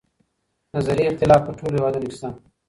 نظري اختلاف په ټولو هیوادونو کې شته.